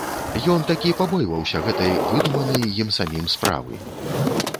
Ён такі пабойваўся гэтай, выдуманай ім самім, справы.